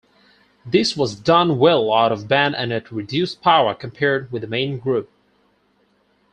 This was done well out-of-band and at reduced power compared with the main group.